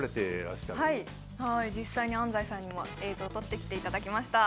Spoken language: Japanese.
実際に安斉さんにも映像を撮ってきていただきました